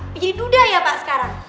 menjadi muda ya pak sekarang